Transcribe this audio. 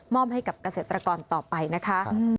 มอบให้กับเกษตรกรต่อไปนะคะ